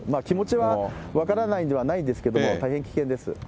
気持ちは分からないではないんですけれども、大変危険です。